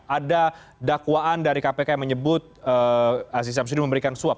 ada dakwaan dari kpk yang menyebut aziz syamsuddin memberikan suap